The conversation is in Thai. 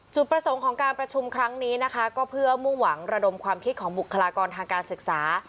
ประสงค์ของการประชุมครั้งนี้นะคะก็เพื่อมุ่งหวังระดมความคิดของบุคลากรทางการศึกษา